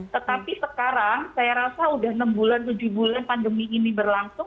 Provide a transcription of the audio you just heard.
tetapi sekarang saya rasa sudah enam bulan tujuh bulan pandemi ini berlangsung